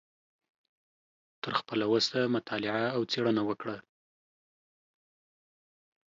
تر خپله وسه مطالعه او څیړنه وکړه